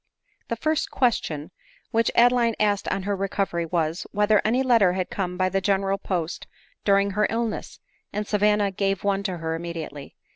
The first question which Adeline asked on her recov ery was, Whether any letter had come by the general post during her illness ; and Savanna gave one to her immediately.